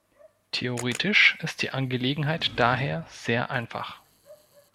Theoretisch ist die Angelegenheit daher sehr einfach.